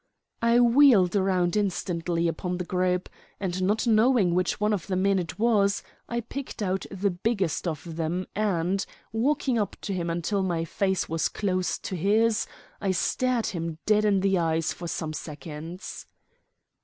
I wheeled round instantly upon the group, and, not knowing which of the men it was, I picked out the biggest of them and, walking up to him till my face was close to his, I stared him dead in the eyes for some seconds.